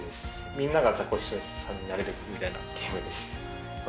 みんながザコシショウさんになれるみたいな気分です。